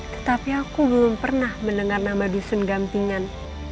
tetapi aku belum pernah mendengar nama dusun gampingan